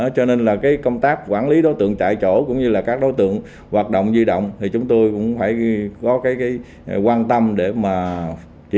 cho nên là công tác quản lý đối tượng chạy chỗ cũng như là các đối tượng hoạt động di động thì chúng tôi cũng phải có quan tâm để mà triển khai